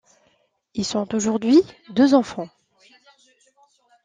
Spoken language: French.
Ils ont aujourd'hui deux enfants.